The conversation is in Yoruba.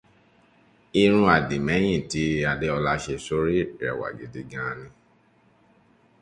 Irun àdìmẹ́yìn tí Adéọlá ṣe sórí rẹwà gidi gan ni